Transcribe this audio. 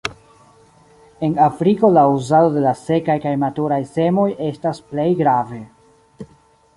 En Afriko la uzado de la sekaj kaj maturaj semoj estas plej grave.